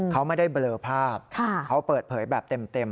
เขาไม่ได้เบลอภาพเขาเปิดเผยแบบเต็ม